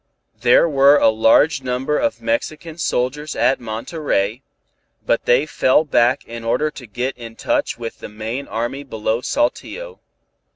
There were a large number of Mexican soldiers at Monterey, but they fell back in order to get in touch with the main army below Saltillo.